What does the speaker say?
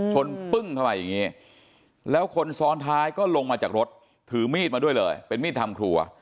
ปึ้งเข้าไปอย่างนี้แล้วคนซ้อนท้ายก็ลงมาจากรถถือมีดมาด้วยเลยเป็นมีดทำครัว